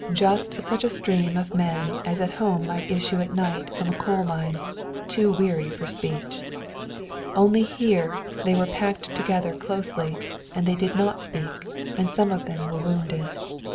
Just such a stream of men as at home might issue at night from a coal mine, too weary for speech. Only here they were packed together closely, and they did not speak, and some of them were wounded.